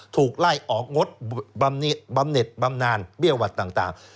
ถูกไล่ออกงดบำเน็ตบำนานเบี้ยหวัดต่าง